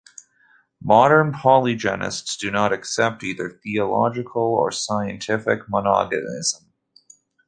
Modern polygenists do not accept either theological or scientific monogenism.